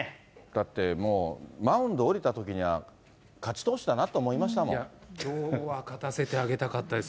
だってもう、マウンド降りたときには、勝ち投手だなと思いまいや、きょうは勝たせてあげたかったです。